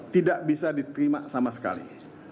tidak bisa diterima sama sekali